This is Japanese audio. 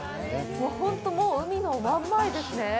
本当に海の真ん前ですね。